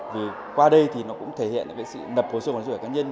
vì qua đây thì nó cũng thể hiện cái sự lập hồ sơ khoản trẻ cá nhân